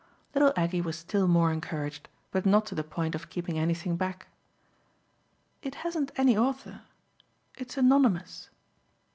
Little Aggie was still more encouraged, but not to the point of keeping anything back. "It hasn't any author. It's anonymous."